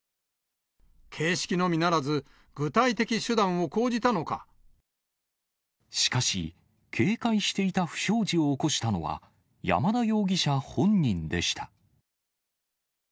形式のみならず、具体的手段を講しかし、警戒していた不祥事を起こしたのは、山田容疑者本人でした。